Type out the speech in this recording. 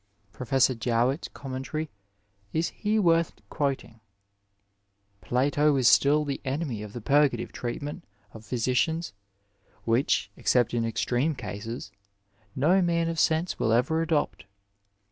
Pro fessor Jowett's commentary is here worth quoting :" Plato is still the enemy of the purgative treatment of physicians, which, except in extreme cases, no man of sense will ever adopt.